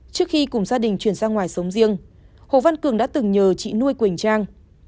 trước khi cùng gia đình chuyển sang ngoài sống riêng hồ văn cường đã từng nhờ chị nuôi quỳnh trang